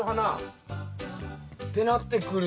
てなってくると。